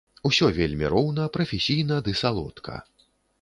Усё вельмі роўна, прафесійна ды салодка.